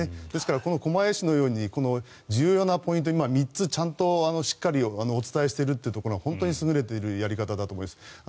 ですから、この狛江市のように重要なポイント３つしっかりお伝えしているところが本当に優れているところだと思います。